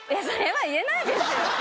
それは言えないですよ。